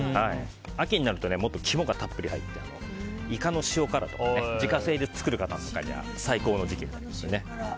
秋になるともっと肝がたっぷり入ってイカの塩辛とか自家製で作る方とかには最高の時期になりますね。